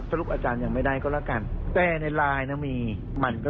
อาจารย์ยังไม่ได้ก็แล้วกันแต่ในไลน์น่ะมีมันก็